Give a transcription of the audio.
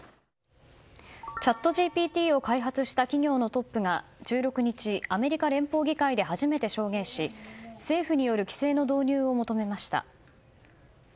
チャットＧＰＴを開発した企業のトップが１６日、アメリカ連邦議会で初めて証言し政府による規制の導入を求めました。